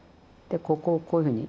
でここをこういうふうに。